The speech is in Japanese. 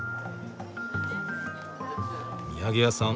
土産屋さん